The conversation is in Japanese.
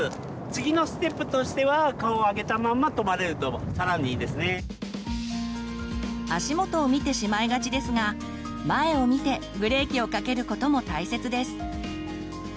次のステップとしては足元を見てしまいがちですが前を見てブレーキをかけることも大切です。